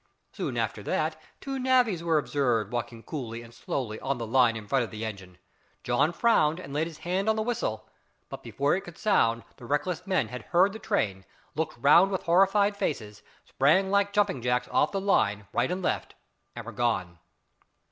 Soon after that, two navvies were observed walking coolly and slowly on the line in front of the engine. John frowned and laid his hand on the whistle, but before it could sound, the reckless men had heard the train, looked round with horrified faces, sprang like jumping jacks off the line, right and left, and were gone!